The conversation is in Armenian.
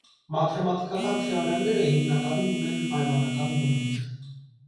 Մաթեմատիկական թեորեմները հիմանականում ունեն պայմանական բնույթ։